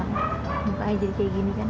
mungkin jadi kayak gini kan